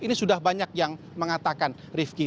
ini sudah banyak yang mengatakan rifki